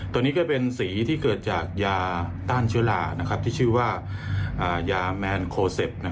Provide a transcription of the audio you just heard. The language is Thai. ตัวนี้ก็เป็นสีที่เกิดจากยาต้านเชื้อราที่ชื่อว่ายาแมนโคเซฟ